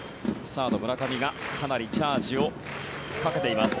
サード、村上がかなりチャージをかけています。